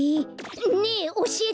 ねえおしえて！